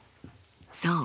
そう。